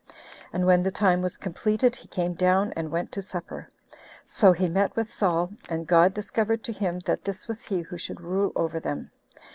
And when the time was completed, he came down and went to supper; so he met with Saul, and God discovered to him that this was he who should rule over them.